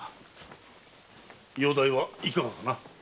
容体はいかがかな？